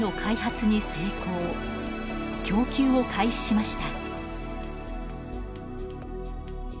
供給を開始しました。